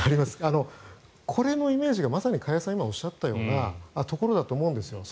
これのイメージがまさに加谷さんが今おっしゃったようなところだと思うんですよ。